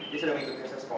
dia sudah mengikuti seskoat